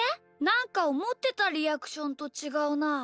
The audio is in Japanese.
なんかおもってたリアクションとちがうな。